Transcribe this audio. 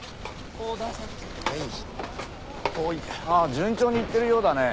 順調にいってるようだね。